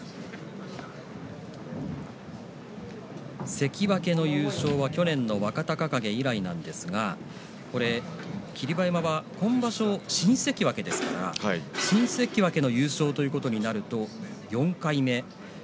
関脇の優勝は去年の若隆景以来なんですが霧馬山は今場所新関脇ですから新関脇の優勝となると４回目。